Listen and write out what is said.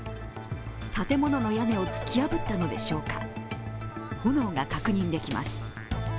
建物の屋根を突き破ったのでしょうか、炎が確認できます。